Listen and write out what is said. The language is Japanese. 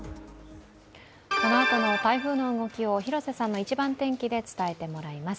このあとの台風の動きを広瀬さんの一番天気で伝えてもらいます。